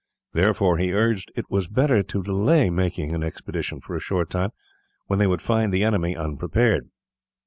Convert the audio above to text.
Therefore he urged it was better to delay making an expedition for a short time, when they would find the enemy unprepared.